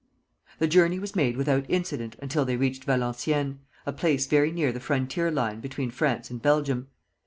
The journey was made without incident until they reached Valenciennes, a place very near the frontier line between France and Belgium.